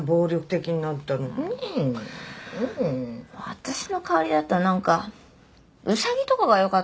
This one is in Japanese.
私の代わりだったらなんかウサギとかがよかったな。